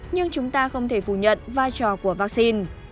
nhưng chúng ta không thể phủ nhận vai trò của vaccine